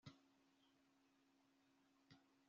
guteza imbere ibyo abantu bahuriyeho